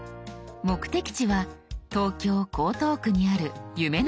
目的地は東京江東区にある夢の島公園。